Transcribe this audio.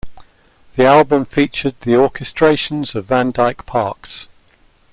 The album featured the orchestrations of Van Dyke Parks.